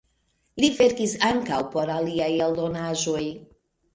Li verkis ankaŭ por aliaj eldonaĵoj.